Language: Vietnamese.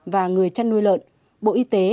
và người chăn nuôi lợn bộ y tế